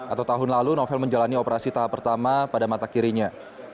atau tahun lalu novel menjalani operasi tahap pertama pada mata kirinya